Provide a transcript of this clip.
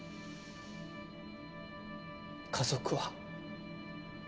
家族は。